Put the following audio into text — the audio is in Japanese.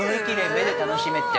目で楽しめて。